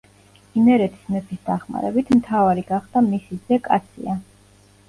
იმერეთის მეფის დახმარებით მთავარი გახდა მისი ძე კაცია.